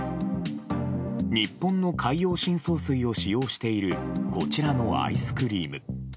日本の海洋深層水を使用しているこちらのアイスクリーム。